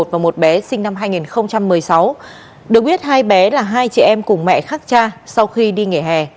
và một bé sinh năm hai nghìn một mươi sáu được biết hai bé là hai chị em cùng mẹ khác cha sau khi đi nghỉ hè